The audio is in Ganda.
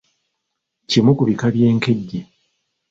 Kimu ku bika by'enkejje.